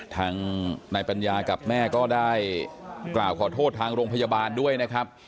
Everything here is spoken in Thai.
ทางนายปัญญากับแม่ก็ได้กล่าวขอโทษทางโรงพยาบาลด้วยนะครับ